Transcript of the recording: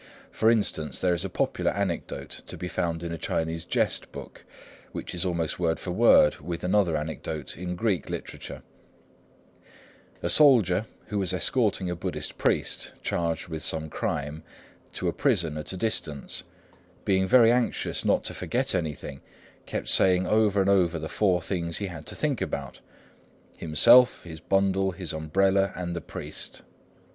For instance, there is a popular anecdote to be found in a Chinese jest book, which is almost word for word with another anecdote in Greek literature:— A soldier, who was escorting a Buddhist priest, charged with some crime, to a prison at a distance, being very anxious not to forget anything, kept saying over and over the four things he had to think about, viz.: himself, his bundle, his umbrella, and the priest.